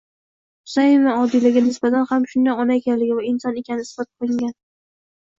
Husayin va Odilaga nisbatan ham shunday ona ekanini va inson ekanini isbot qilaolgan.